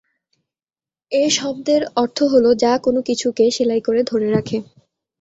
এ শব্দের অর্থ হল যা কোন কিছুকে সেলাই করে ধরে রাখে।